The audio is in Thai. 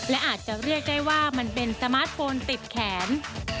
และอาจจะเรียกได้ว่ามันเป็นสมาร์ทโฟนติดแขน